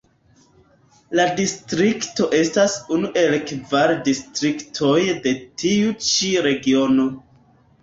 La distrikto estas unu el kvar distriktoj de tiu ĉi Regiono.